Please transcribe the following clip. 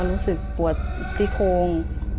รู้สึกปวดที่โคง